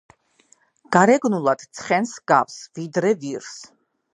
გარეგნულად ცხენს ჰგავს, ვიდრე ვირს.